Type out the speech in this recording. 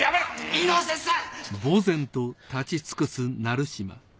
猪瀬さん！